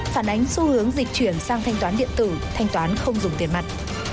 phản ánh xu hướng dịch chuyển sang thanh toán điện tử thanh toán không dùng tiền mặt